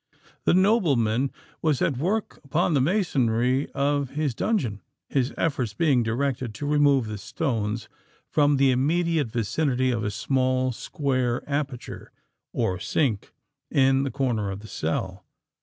The nobleman was at work upon the masonry of his dungeon,—his efforts being directed to remove the stones from the immediate vicinity of a small square aperture, or sink in the corner of the cell.